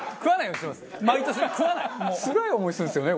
つらい思いするんですよね